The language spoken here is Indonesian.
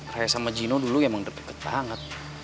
saya sama gino dulu emang deket banget